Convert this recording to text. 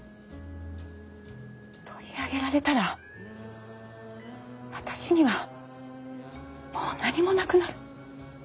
取り上げられたら私にはもう何もなくなる。